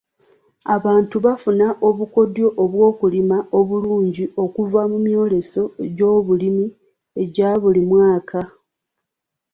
Abantu bafuna obukodyo bw'okulima obulungi okuva mu myoleso gy'obulimi egya buli mwaka.